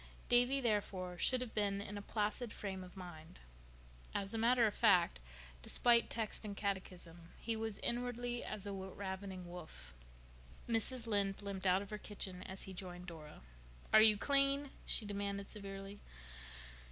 Davy, therefore, should have been in a placid frame of mind. As a matter of fact, despite text and catechism, he was inwardly as a ravening wolf. Mrs. Lynde limped out of her kitchen as he joined Dora. "Are you clean?" she demanded severely.